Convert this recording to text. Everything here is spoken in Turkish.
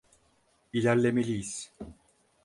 İlerlemeliyiz.